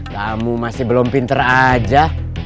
kamu masih belum pinter aja